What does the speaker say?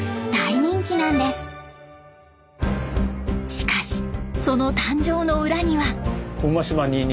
しかしその誕生の裏には。